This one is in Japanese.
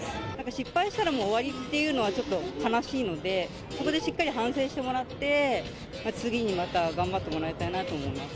失敗したら終わりっていうのは、ちょっと悲しいので、ここでしっかり反省してもらって、次にまた頑張ってもらいたいなと思います。